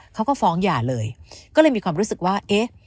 เขาก็ฟ้องหย่าเลยก็เลยมีความรู้สึกว่าเอ๊ะ